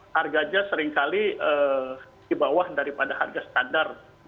harganya seringkali di bawah daripada harga standar